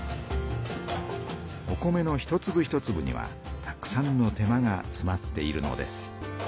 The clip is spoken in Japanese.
お米の一つぶ一つぶにはたくさんの手間がつまっているのです。